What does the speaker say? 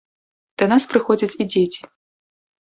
Да нас прыходзяць і дзеці.